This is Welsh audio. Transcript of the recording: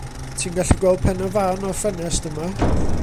Ti'n gallu gweld Pen y Fan o'r ffenest yma.